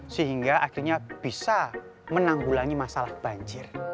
sehingga akhirnya bisa menanggulangi masalah banjir